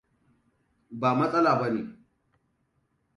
Ba matsala ba ne.